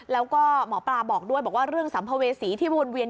แล้วก็หมอปลาบอกด้วยบอกว่าเรื่องสัมภเวษีที่วนเวียน